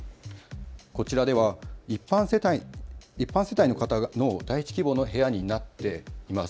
こちらでは一般世帯の方の第１希望の部屋になっています。